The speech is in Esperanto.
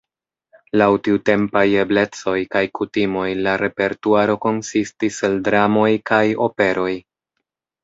Laŭ tiutempaj eblecoj kaj kutimoj la repertuaro konsistis el dramoj kaj operoj.